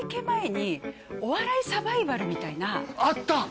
前に「お笑いサバイバル」みたいなあった！